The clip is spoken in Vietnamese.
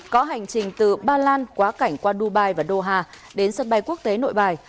có hành trình từ ba lan quá cảnh qua dubai và doha đến sân bay quốc tế nội bài